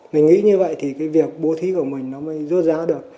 mình nghĩ như vậy thì cái việc bố thí của mình nó mới rốt rá được